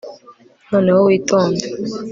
noneho witonde